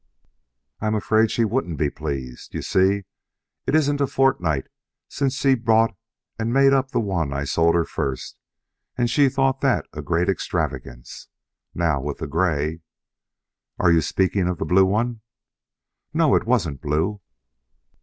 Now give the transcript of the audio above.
"I'm afraid she wouldn't be pleased. You see, it isn't a fortnight since she bought and made up the one I sold her first, and she thought that a great extravagance. Now with the gray " "Are you speaking of the blue one?" "No, it wasn't blue."